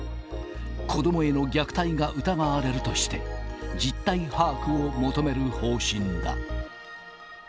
子どもへの虐待が疑われるとして、実態把握を求める方針だ。